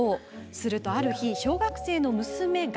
するとある日、小学生の娘が。